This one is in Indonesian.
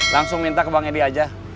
langsung minta ke bang edi aja